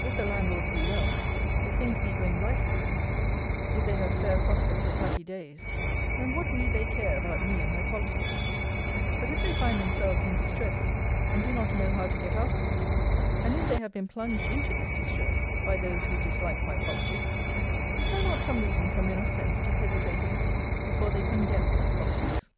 If the Landlords be well; if things be going right with them; if they have fair prospects of happy days; then what need they care about me and my politics; but, if they find themselves in "distress," and do not know how to get out of it; and, if they have been plunged into this distress by those who "dislike my politics;" is there not some reason for men of sense to hesitate a little before they condemn those politics?